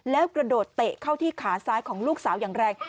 แล้วกระโดดเตะเข้าที่ขาซ้ายของลูกสาวอย่างแรง